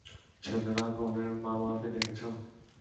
ছেলেরা, কনের মা বাবাকে দেখেছ?